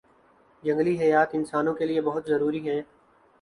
جنگلی حیات انسانوں کے لیئے بہت ضروری ہیں